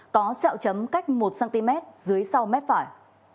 có xeo chấm cách một cm dưới sau mép phải